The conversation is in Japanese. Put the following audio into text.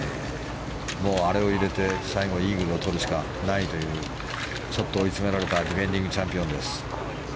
あれを入れて最後イーグルをとるしかないというちょっと追い詰められたディフェンディングチャンピオンです。